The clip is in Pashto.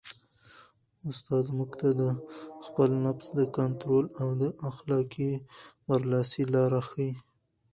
استاد موږ ته د خپل نفس د کنټرول او د اخلاقي برلاسۍ لارې ښيي.